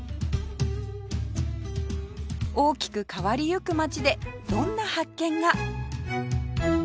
大きく変わりゆく街でどんな発見が？